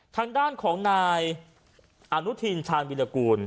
ทางด้านของนายอนุทินชาญวิรากูล